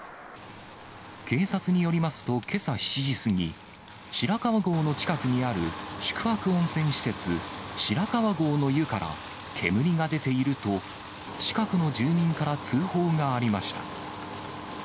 警察によりますと、けさ７時過ぎ、白川郷の近くにある宿泊温泉施設、白川郷の湯から煙が出ていると、近くの住民から通報がありました。